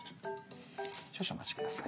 少々お待ちください。